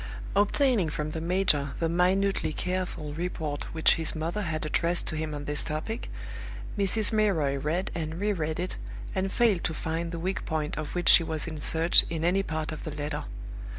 Obtaining from the major the minutely careful report which his mother had addressed to him on this topic, Mrs. Milroy read and reread it, and failed to find the weak point of which she was in search in any part of the letter.